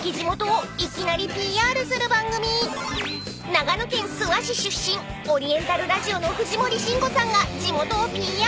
［長野県諏訪市出身オリエンタルラジオの藤森慎吾さんが地元をＰＲ］